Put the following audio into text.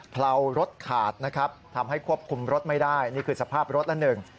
เพรารถขาดทำให้ควบคุมรถไม่ได้นี่คือสภาพรถอันหนึ่ง